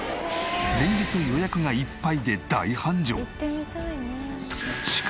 連日予約がいっぱいで大繁盛！